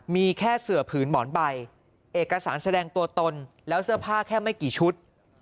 มีแค่เสือผืนหมอนใบเอกสารแสดงตัวตนแล้วเสื้อผ้าแค่ไม่กี่ชุด